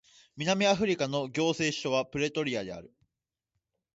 南アフリカの行政首都はプレトリアである